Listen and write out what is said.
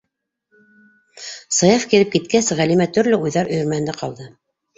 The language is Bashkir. Саяф килеп киткәс, Ғәлимә төрлө уйҙар өйөрмәһендә ҡалды.